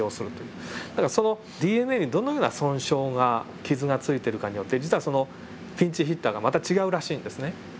だからそのＤＮＡにどのような損傷が傷がついているかによって実はそのピンチヒッターがまた違うらしいんですね。